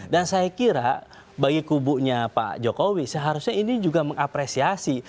dan saya kira bagi kubunya pak jokowi seharusnya ini juga mengapresiasi